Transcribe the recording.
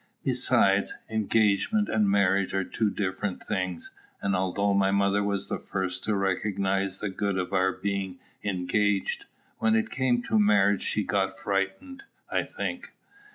Besides, engagement and marriage are two different things; and although my mother was the first to recognize the good of our being engaged, when it came to marriage she got frightened, I think.